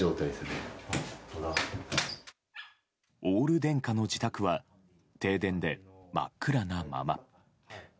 オール電化の自宅は停電で真っ暗なまま。